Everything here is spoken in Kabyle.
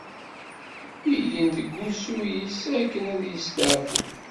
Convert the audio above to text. Igen deg usu-is akken ad yesteɛfu.